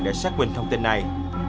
để xác minh thông tin này